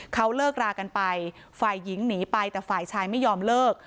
เขาเลิกรากันไปฝ่ายหญิงหนีไปแต่ฝ่ายชายไม่ยอมเลิก